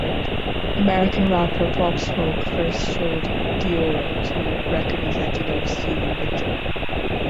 American rapper Pop Smoke first showed "Dior" to record executive Steven Victor.